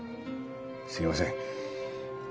すいません。